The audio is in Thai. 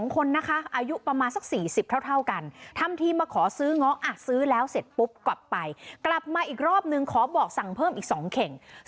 กลับมาอีกรอบนึงขอบอกสั่งเพิ่มอีก๒เข่ง